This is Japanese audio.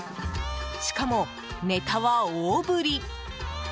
しかもネタは大ぶり！